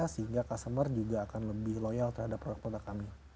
sehingga customer juga akan lebih loyal terhadap produk produk kami